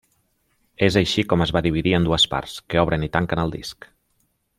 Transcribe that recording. És així com es va dividir en dues parts, que obren i tanquen el disc.